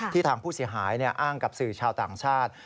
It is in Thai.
ทางผู้เสียหายอ้างกับสื่อชาวต่างชาติ